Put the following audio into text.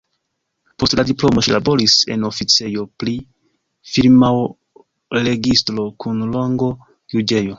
Post la diplomo ŝi laboris en oficejo pri firmaoregistro kun rango juĝejo.